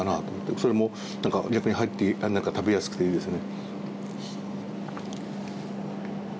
それも逆に入って、食べやすくていいですね。